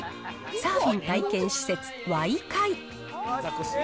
サーフィン体験施設、ワイカイ。